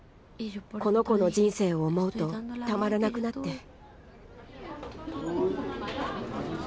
この子の人生を思うとたまらなくなって。